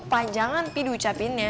panjangan pih di ucapinnya